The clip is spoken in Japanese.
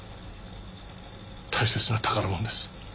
大切な宝物です。